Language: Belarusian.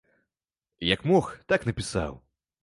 Як мог, так напісаў.